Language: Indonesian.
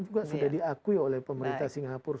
juga sudah diakui oleh pemerintah singapura